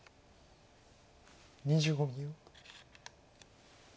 ２５秒。